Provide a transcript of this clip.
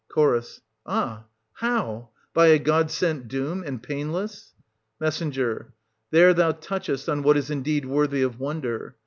Ch. Ah, how ? by a god sent doom, and painless ? Me. There thou touchest on what is indeed worthy of wonder.